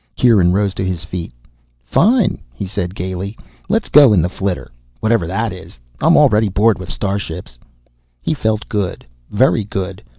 Kieran rose to his feet. "Fine," he said gaily. "Let us go in the flitter, whatever that is. I am already bored with starships." He felt good, very good.